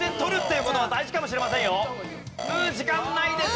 うん時間ないです。